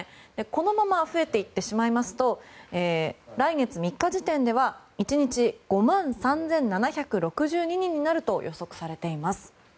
このまま増えていってしまいますと来月３日時点では１日、５万３７６２人になると予測されています。